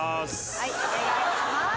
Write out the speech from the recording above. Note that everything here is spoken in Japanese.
はいお願いします。